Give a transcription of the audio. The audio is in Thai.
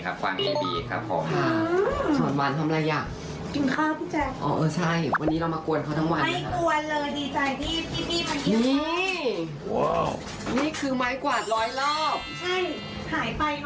ว้าวนี่คือไม้กวาดร้อยรอบใช่หายไปต้องกินเลยนะ